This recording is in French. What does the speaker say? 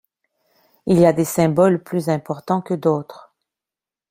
Il y a des symboles plus importants que d'autres.